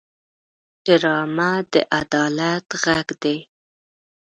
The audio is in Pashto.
ډرامه د عدالت غږ دی